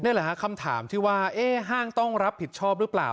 นี่แหละฮะคำถามที่ว่าห้างต้องรับผิดชอบหรือเปล่า